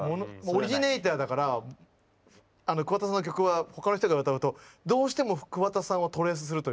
オリジネーターだから桑田さんの曲は他の人が歌うとどうしても桑田さんをトレースするというか。